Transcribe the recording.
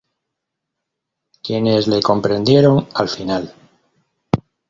Quienes le comprendieron al final?